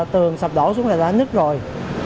tường sụp đổ xuống là đã nứt rồi